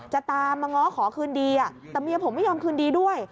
จะตามมาง้อขอคืนดีแต่เมียผมไม่ยอมคืนดีด้วย